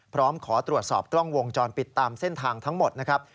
พร้อมขอตรวจสอบกล้องวงจรปิดตามเส้นทางทั้งหมดนะครับ